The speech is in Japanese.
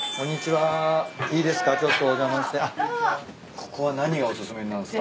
ここは何がお薦めになるんすか？